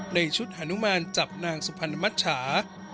ในชุดฮานุมานจับนางสุพรรณมัชชา